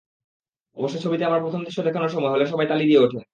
অবশ্য ছবিতে আমার প্রথম দৃশ্য দেখানোর সময় হলের সবাই তালি দিয়ে ওঠে।